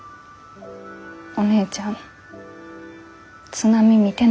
「お姉ちゃん津波見てないもんね」